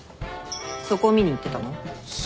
そこ見に行ってたの？さあ。